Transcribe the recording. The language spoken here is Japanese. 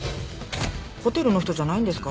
ホテルの人じゃないんですか？